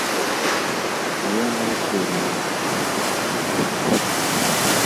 А я не ўтрырую.